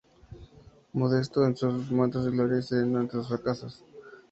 Modesto en sus momentos de gloria y sereno ante los fracasos.